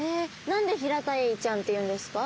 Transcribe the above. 何でヒラタエイちゃんっていうんですか？